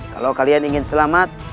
kalau kalian ingin selamat